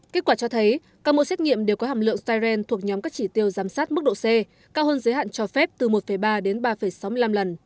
kết quả cho thấy các mẫu xét nghiệm đều có hàm lượng styrene thuộc nhóm các chỉ tiêu giám sát mức độ c cao hơn giới hạn cho phép từ một ba đến ba sáu mươi năm lần